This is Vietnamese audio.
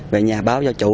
về nhà báo cho chủ